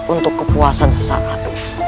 untuk kepuasan sesaat